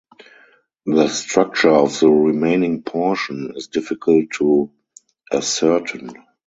The structure of the remaining portion is difficult to ascertain.